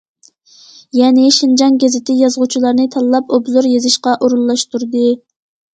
يەنى« شىنجاڭ گېزىتى» يازغۇچىلارنى تاللاپ ئوبزور يېزىشقا ئورۇنلاشتۇردى.